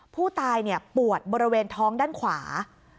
ผู้ตายปวดบริเวณท้องด้านขวา